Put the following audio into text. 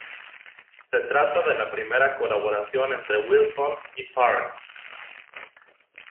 Se trata de la primera colaboración entre Wilson y Parks.